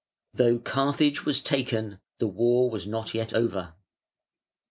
Though Carthage was taken, the war was not yet over.